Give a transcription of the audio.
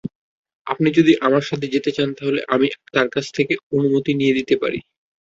আপনি যদি আমার সাথে যেতে চান তাহলে আমি তার কাছ অনুমতি নিয়ে দিতে পারি।